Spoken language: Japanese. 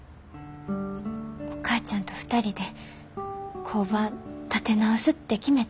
お母ちゃんと２人で工場立て直すって決めた。